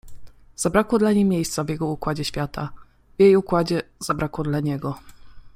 Zabrakło dla niej miejsca w jego układzie świata - w jej układzie, zabrakło dla niego.